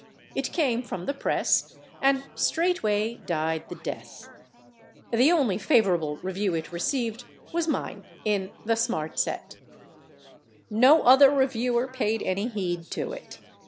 It came from the press—and straightway died the death. The only favorable review it received was mine in the Smart Set. No other reviewer paid any heed to it.